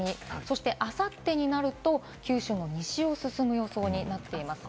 あさってになると、九州の西を進む予定になっています。